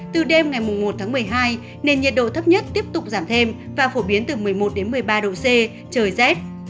từ đêm ngày một tháng một mươi hai nền nhiệt độ thấp nhất tiếp tục giảm thêm và phổ biến từ một mươi một một mươi ba độ c trời rét